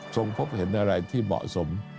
พบเห็นอะไรที่เหมาะสม